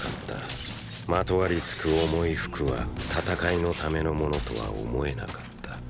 まとわりつく重い服は戦いのためのものとは思えなかった。